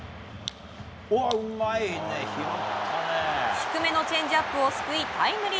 低めのチェンジアップをすくいタイムリー。